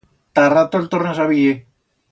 Ta rato el tornas a viyer.